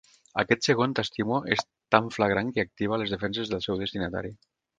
Aquest segon t'estimo és tan flagrant que activa les defenses del seu destinatari.